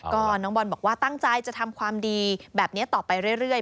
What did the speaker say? ก็น้องบอลบอกว่าตั้งใจจะทำความดีแบบนี้ต่อไปเรื่อย